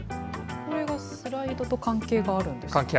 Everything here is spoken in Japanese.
これがスライドと関係があるんですか？